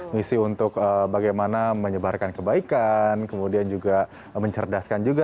misi untuk bagaimana menyebarkan kebaikan kemudian juga mencerdaskan juga